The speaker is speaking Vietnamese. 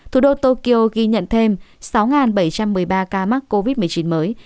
thủ đô tokyo ghi nhận thêm sáu bảy trăm một mươi ba ca mắc covid một mươi chín mới